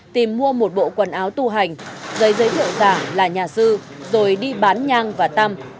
tìm mua một bộ quần áo tu hành giấy giới thiệu giả là nhà sư rồi đi bán nhang và tăm